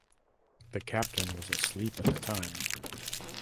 The captain was asleep at the time.